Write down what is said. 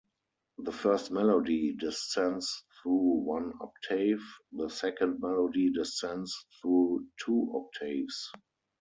The first melody descends through one octave, the second melody descends through two octaves.